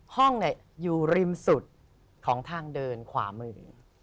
ห้องอยู่ริมสุดของทางเดินขวามือ